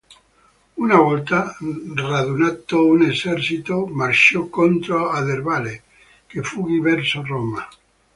Una volta radunato un esercito, marciò contro Aderbale, che fuggì verso Roma.